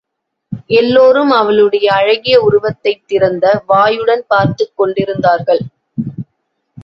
எல்லோரும் அவளுடைய அழகிய உருவத்தைத் திறந்த வாயுடன் பார்த்துக் கொண்டிருந்தார்கள்.